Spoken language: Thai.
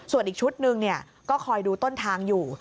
ส่วนอีกชุดหนึ่งก็คอยดูต้นทางอยู่